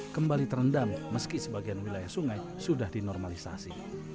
kembali terendam meski sebagian wilayah sungai sudah dinormalisasi